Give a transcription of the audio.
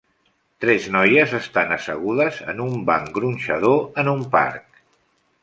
Tres noies estan assegudes en un banc gronxador en un parc.